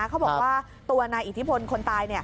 เขาบอกว่าตัวนายอิทธิพลคนตาย